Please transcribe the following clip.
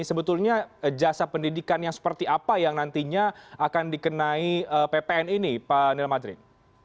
sebetulnya jasa pendidikan yang seperti apa yang nantinya akan dikenai ppn ini pak niel madrin